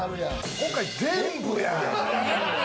今回全部や。